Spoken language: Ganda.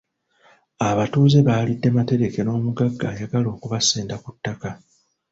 Abatuuze balidde matereke n’omugagga ayagala okubasenda ku ttaka.